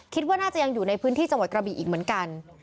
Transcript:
คิดว่าน่าจะยังอยู่ในพื้นที่จังหวัดกระบีอีกเหมือนกัน